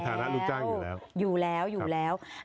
ในฐานะลูกจ้างอยู่แล้ว